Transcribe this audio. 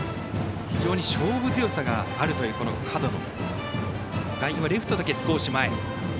非常に勝負強さがあるという角野。